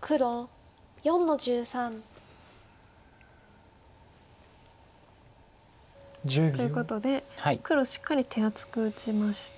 黒４の十三。ということで黒しっかり手厚く打ちました。